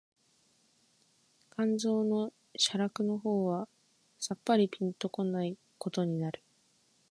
肝腎の洒落の方はさっぱりぴんと来ないことになる